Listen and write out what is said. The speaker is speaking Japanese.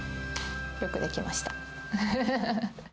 よくできました。